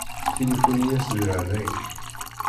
Tilifuni-yas di leɛnaya-k.